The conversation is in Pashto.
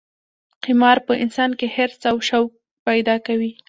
قمار په انسان کې حرص او شوق پیدا کوي.